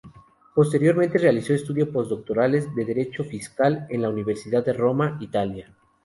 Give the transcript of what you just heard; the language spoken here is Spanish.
Posteriormente realizó estudios posdoctorales de Derecho Fiscal en la Universidad de Roma, Italia.